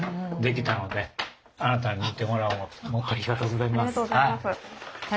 ありがとうございます。